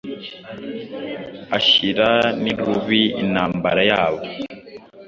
Ashyira n'irubi intambara yabo